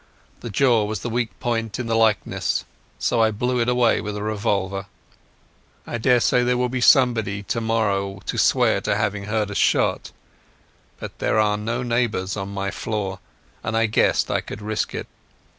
The jaw was the weak point in the likeness, so I blew it away with a revolver. I daresay there will be somebody tomorrow to swear to having heard a shot, but there are no neighbours on my floor, and I guessed I could risk it.